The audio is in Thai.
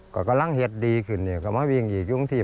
ก็กำลังเหตุดีขึ้นเนี่ยก็มาวิ่งอีกอย่างหนึ่งสิ